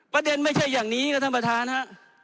ประเด็นไม่ใช่อย่างนี้นะฮะท่านประธานฮะ